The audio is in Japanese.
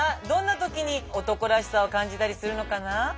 どんな時に男らしさを感じたりするのかな？